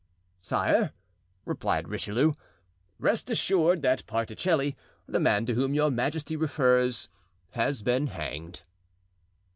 "Sire," replied Richelieu, "rest assured that Particelli, the man to whom your majesty refers, has been hanged."